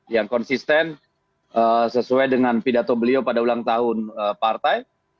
yang konsisten sesuai dengan pidato beliau pada ulang tahun partai